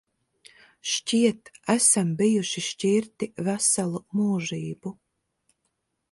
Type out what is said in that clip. Šķiet, esam bijuši šķirti veselu mūžību.